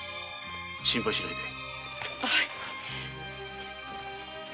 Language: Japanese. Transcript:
心配しないで。